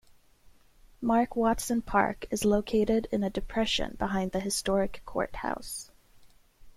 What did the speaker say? Mark Watson Park is located in a depression behind the historic courthouse.